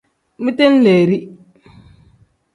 Bidenleeri.